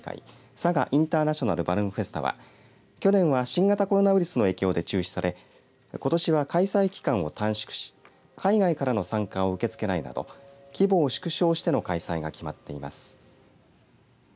佐賀インターナショナルバルーンフェスタは去年は新型コロナウイルスの影響で中止されことしは開催期間を短縮し海外からの参加を受け付けないなど規模を縮小しての開催が決まっています。